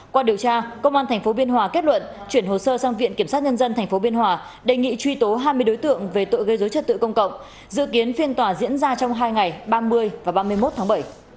có hai mươi đối tượng về tội gây dối trật tự công cộng dự kiến phiên tòa diễn ra trong hai ngày ba mươi và ba mươi một tháng bảy